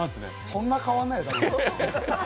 そんな変わらないだろ。